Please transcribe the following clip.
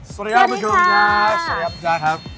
สวัสดีค่ะ